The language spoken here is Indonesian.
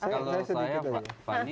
kalau saya pak fani